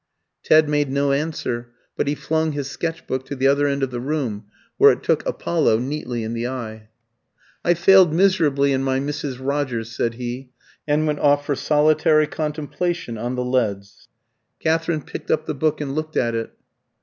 Ted made no answer; but he flung his sketch book to the other end of the room, where it took Apollo neatly in the eye. "I've failed miserably in my Mrs. Rogers," said he, and went off for solitary contemplation on the leads. Katherine picked up the book and looked at it.